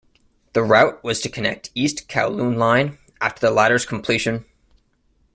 The route was to connect East Kowloon Line after the latter's completion.